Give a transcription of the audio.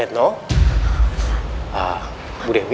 sekarang dia sudah sampai